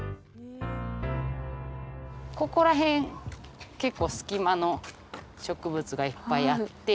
ここら辺結構スキマの植物がいっぱいあって。